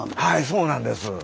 はいそうなんです。